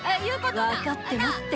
分かってますって。